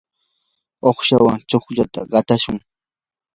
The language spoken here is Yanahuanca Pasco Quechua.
uqshawan chuklata qatashun.